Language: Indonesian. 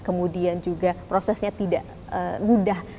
kemudian juga prosesnya tidak mudah